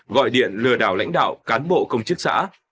gọi điện lừa đảo lãnh đạo cán bộ công chức xã